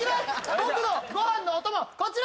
僕のご飯のお供こちら！